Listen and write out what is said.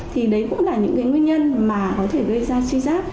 thì đấy cũng là những cái nguyên nhân mà có thể gây ra suy giáp